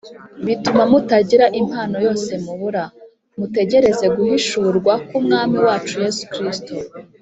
bituma mutagira impano yose mubura, mutegereza guhishurwa k'Umwami wacu Yesu Kristo.